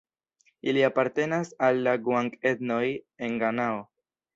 Ili apartenas al la guang-etnoj en Ganao.